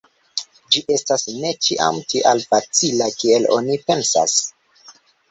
Ĝi estas ne ĉiam tial facila, kiel oni pensas.